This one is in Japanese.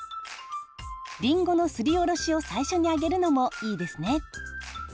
りんごのすりおろしを最初にあげるのもいいですね。